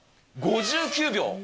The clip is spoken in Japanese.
５９秒？